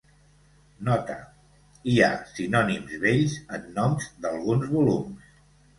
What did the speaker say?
Nota: hi ha sinònims vells en noms d'alguns volums.